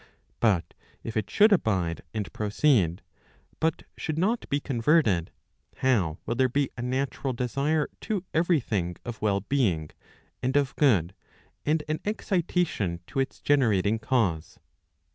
But if it should abide and proceed, but should not be converted, how will there be a natural desire to every thing of well¬ being, and of good, and an excitation to its generating cause?